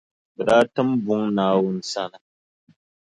Bɛ daa tim buŋa Naawuni sani.